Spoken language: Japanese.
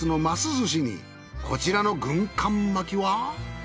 寿司にこちらの軍艦巻きは？